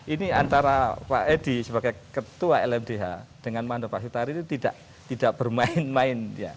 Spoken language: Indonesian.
ini antara pak edi sebagai ketua lmdh dengan mando pak sutari itu tidak bermain main